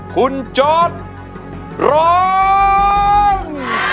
คุณจอร์ดร้อง